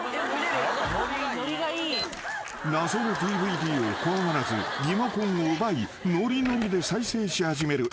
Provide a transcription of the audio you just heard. ［謎のＤＶＤを怖がらずリモコンを奪いノリノリで再生し始める